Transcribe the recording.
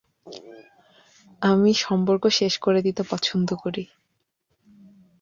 আমি সম্পর্ক শেষ করে দিতে পছন্দ করি।